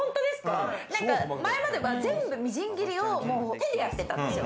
前までは、全部みじん切りを手でやってたんですよ。